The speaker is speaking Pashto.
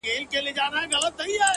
غاړه راکړه” خولگۍ راکړه” بس دی چوپ سه”